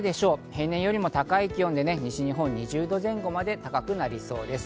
平年よりも高い気温で西日本は２０度前後まで、高くなりそうです。